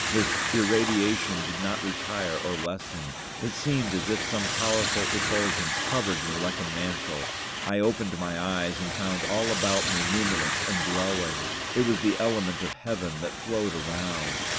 This irradiation did not retire or lessen. It seemed as if some powerful effulgence covered me like a mantle. I opened my eyes and found all about me luminous and glowing. It was the element of heaven that flowed around.